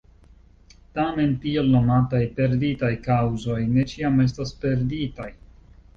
Tamen, tiel nomataj perditaj kaŭzoj ne ĉiam estas perditaj.